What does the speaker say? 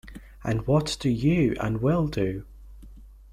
And what do you and Will do?